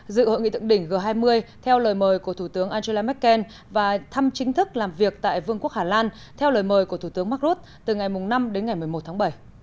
dự hội nghị thượng đỉnh g hai mươi theo lời mời của thủ tướng angela merkel và thăm chính thức làm việc tại vương quốc hà lan theo lời mời của thủ tướng mark rutte từ ngày năm đến ngày một mươi một tháng bảy